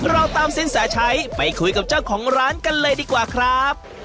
เราตามสินแสชัยไปคุยกับเจ้าของร้านกันเลยดีกว่าครับ